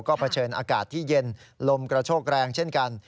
ก็เผชิญอากาศที่เย็นลมกระโชกแรงเช่นกัน